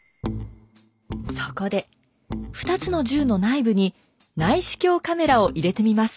そこで２つの銃の内部に内視鏡カメラを入れてみます。